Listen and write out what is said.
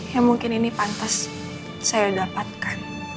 ya mungkin ini pantas saya dapatkan